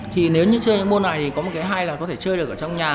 thì nếu như chơi những môn này thì có một cái hay là có thể chơi được ở trong nhà